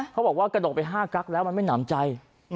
เขาบอกว่ากระดกไป๕กั๊กแล้วมันไม่หนำใจ